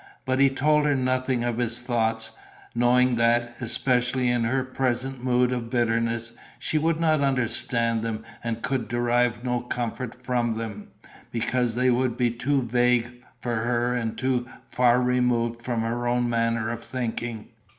But he told her nothing of his thoughts, knowing that, especially in her present mood of bitterness, she would not understand them and could derive no comfort from them, because they would be too vague for her and too far removed from her own manner of thinking.